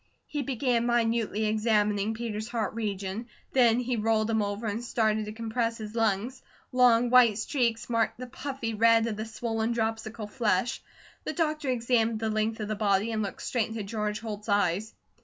HE began minutely examining Peter's heart region. Then he rolled him over and started to compress his lungs. Long white streaks marked the puffy red of the swollen, dropsical flesh. The doctor examined the length of the body, and looked straight into George Holt's eyes.